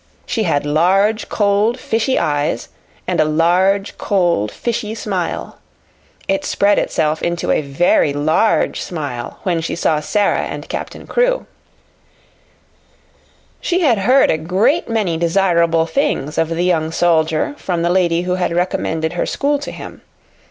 She had large, cold, fishy eyes, and a large, cold, fishy smile. It spread itself into a very large smile when she saw Sara and Captain Crewe. She had heard a great many desirable things of the young soldier from the lady who had recommended her school to him.